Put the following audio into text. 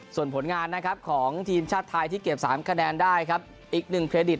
ส่วนผลงานนะครับของทีมชาติไทยที่เก็บ๓คะแนนได้ครับอีกหนึ่งเครดิต